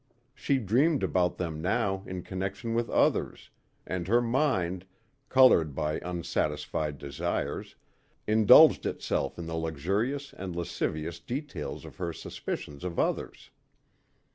She dreamed about them now in connection with others and her mind, colored by unsatisfied desires, indulged itself in the luxurious and lascivious details of her suspicions of others.